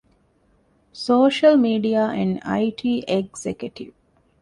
ސޯޝަލްމީޑިއާ އެންޑް އައި.ޓީ އެގްޒެކެޓިވް